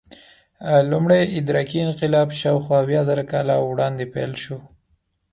لومړی ادراکي انقلاب شاوخوا اویازره کاله وړاندې پیل شو.